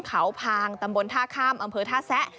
เขาพางตำบลท่าข้ามอำเภอท่าแซะ